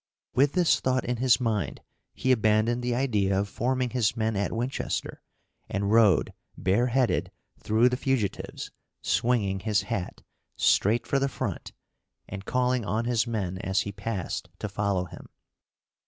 With this thought in his mind he abandoned the idea of forming his men at Winchester, and rode bareheaded through the fugitives, swinging his hat, straight for the front, and calling on his men as he passed to follow him.